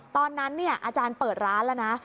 ตอนนั้นอาจารย์เปิดร้านแล้วนะ